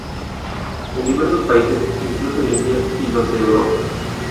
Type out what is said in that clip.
En diversos países, incluso India, y los de Europa.